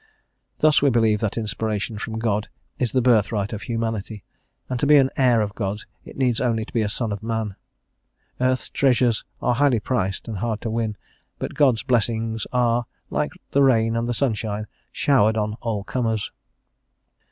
"* Thus we believe that inspiration from God is the birthright of humanity, and to be an heir of God it needs only to be a son of man. Earth's treasures are highly priced and hard to win, but God's blessings are, like the rain and the sunshine, showered on all comers.